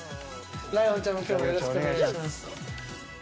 ライオンちゃんも今日はよろしくお願いします。